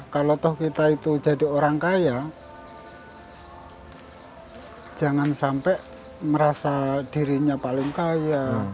kalau toh kita itu jadi orang kaya jangan sampai merasa dirinya paling kaya